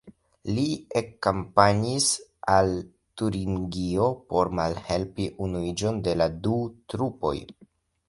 Li ekkampanjis al Turingio por malhelpi la unuiĝon de la du trupoj.